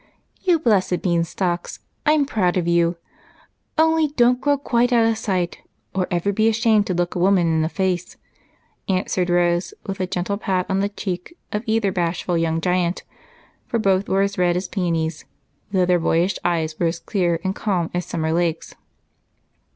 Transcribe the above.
"You blessed beanstalks! I'm proud of you only don't grow quite out of sight, or even be ashamed to look a woman in the face," answered Rose, with a gentle pat on the cheek of either bashful young giant, for both were red as peonies, though their boyish eyes were as clear and calm as summer lakes.